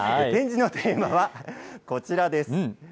展示のテーマはこちらです。